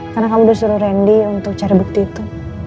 karena kamu udah suruh randy untuk cari bukti itu